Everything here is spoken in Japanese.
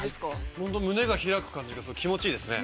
◆本当、胸が開く感じがして気持ちいいですね。